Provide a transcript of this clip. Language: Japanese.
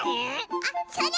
あっそれ！